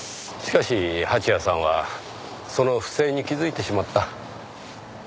しかし蜂矢さんはその不正に気づいてしまった。